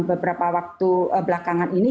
beberapa waktu belakangan ini